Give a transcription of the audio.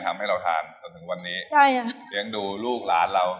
ทำให้เราทานจนถึงวันนี้ใช่ค่ะเลี้ยงดูลูกหลานเรา